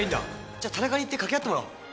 じゃあ田中に言って掛け合ってもらおう。